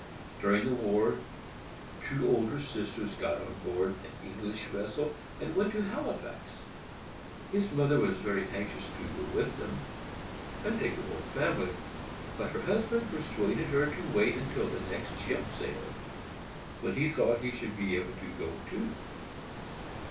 During the war, two older sisters got on board an English vessel, and went to Halifax. His mother was very anxious to go with them, and take the whole family; but her husband persuaded her to wait until the next ship sailed, when he thought he should be able to go too.